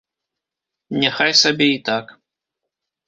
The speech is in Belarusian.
Няхай сабе і так.